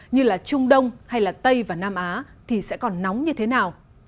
như là trung đông hay tây và nam á thì sẽ còn nóng như thế nào